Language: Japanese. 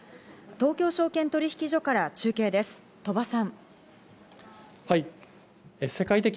東京証券取引所から中継です、鳥羽さん。